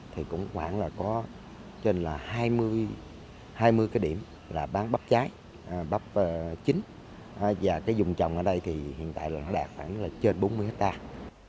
thì cũng khoảng là có trên là hai mươi cái điểm là bán bắp trái bắp chính và cái dùng trồng ở đây thì hiện tại là nó đạt khoảng là trên bốn mươi hectare